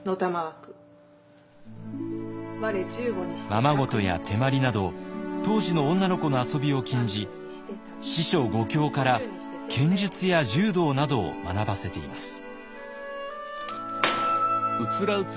ままごとや手まりなど当時の女の子の遊びを禁じ四書五経から剣術や柔道などを学ばせています。